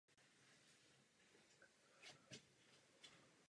Podepsal roční kontrakt s možností opce.